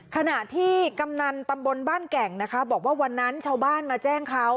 ขณะที่กำนันตำบลบ้านแก่งนะคะบอกว่าวันนั้นชาวบ้านมาแจ้งเขา